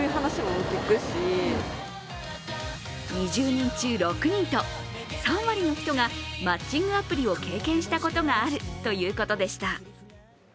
２０人中６人と３割の人がマッチングアプリを経験したことがあるということでした。